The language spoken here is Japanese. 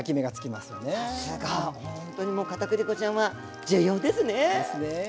本当にもうかたくり粉ちゃんは重要ですね！